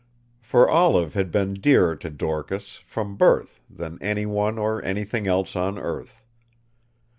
For Olive had been dearer to Dorcas, from birth, than anyone or anything else on earth.